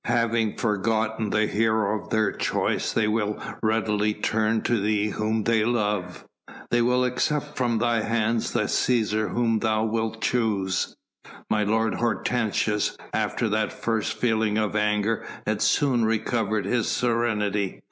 Having forgotten the hero of their choice they will readily turn to thee whom they love. They will accept from thy hands the Cæsar whom thou wilt choose." My lord Hortensius after that first feeling of anger had soon recovered his serenity.